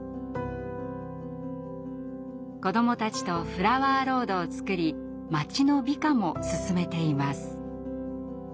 子どもたちとフラワーロードを作り町の美化も進めています。